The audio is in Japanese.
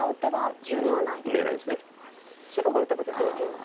白が打てば逆に生きるんですか？